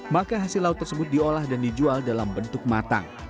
maka hasil laut tersebut diolah dan dijual dalam bentuk matang